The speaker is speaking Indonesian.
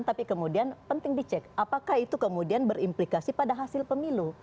tapi kemudian penting dicek apakah itu kemudian berimplikasi pada hasil pemilu